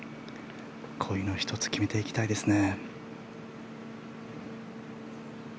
こういうのを１つ、決めていきたいですね。